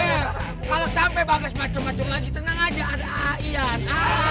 ya iya kalau sampai bagas macem macem lagi tenang aja ada aiyan